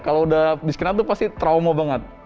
kalau udah miskinan tuh pasti trauma banget